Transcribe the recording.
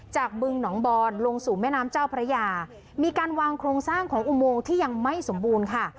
บึงหนองบอนลงสู่แม่น้ำเจ้าพระยามีการวางโครงสร้างของอุโมงที่ยังไม่สมบูรณ์ค่ะ